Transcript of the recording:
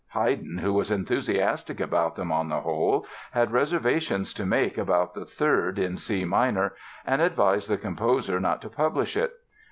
Haydn, who was enthusiastic about them on the whole, had reservations to make about the third, in C minor, and advised the composer not to publish it.